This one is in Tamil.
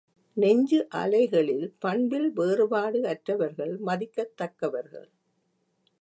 நெஞ்சு அலைகளில் பண்பில் வேறுபாடு அற்றவர்கள் மதிக்கத் தக்கவர்கள்.